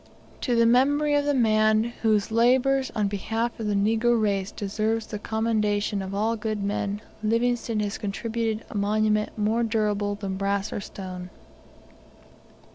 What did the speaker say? To the memory of the man whose labours on behalf of the negro race deserves the commendation of all good men, Livingstone has contributed a monument more durable than brass or stone.